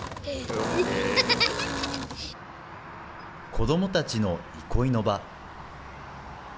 子どもたちの憩いの場。